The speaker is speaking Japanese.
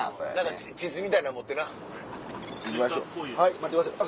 待ってください